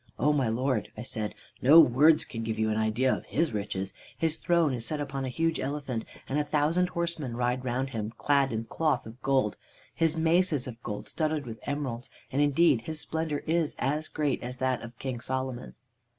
"'O my Lord,' I said, 'no words can give you an idea of his riches. His throne is set upon a huge elephant and a thousand horsemen ride around him, clad in cloth of gold. His mace is of gold studded with emeralds, and indeed his splendor is as great as that of King Solomon.'